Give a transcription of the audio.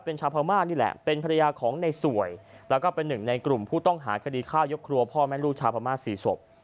เป็นชาวพม่านี่แหละเป็นภรรยาของในสวยแล้วก็เป็นหนึ่งในกลุ่มผู้ต้องหาคดีฆ่ายกครัวพ่อแม่ลูกชาวพม่า๔ศพ